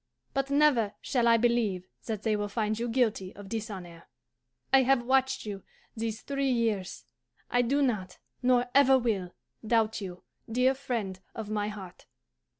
But never shall I believe that they will find you guilty of dishonour. I have watched you these three years; I do not, nor ever will, doubt you, dear friend of my heart.